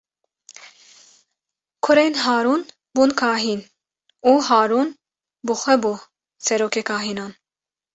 Kurên Harûn bûn kahîn û Harûn bi xwe bû serokê kahînan.